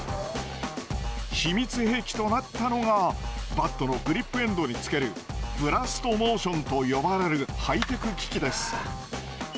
秘密兵器となったのがバットのグリップエンドにつけるブラストモーションと呼ばれるハイテク機器です。